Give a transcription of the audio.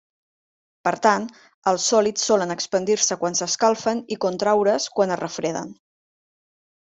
Per tant, els sòlids solen expandir-se quan s'escalfen i contraure's quan es refreden.